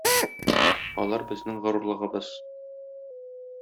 Алар безнең горурлыгыбыз.